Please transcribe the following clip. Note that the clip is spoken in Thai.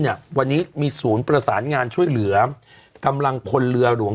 เนี่ยวันนี้มีศูนย์ประสานงานช่วยเหลือกำลังพลเรือหลวง